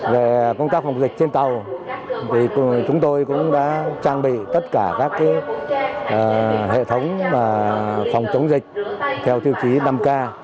về công tác phòng dịch trên tàu chúng tôi cũng đã trang bị tất cả các hệ thống phòng chống dịch theo tiêu chí năm k